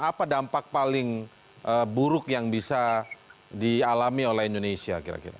apa dampak paling buruk yang bisa dialami oleh indonesia kira kira